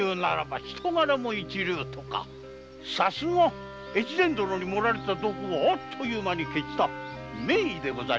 さすが大岡殿に盛られた毒をアッという間に消した名医ですな。